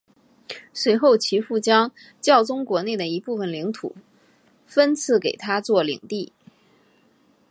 随后其父将教宗国内的一部份领土分赐给他做领地。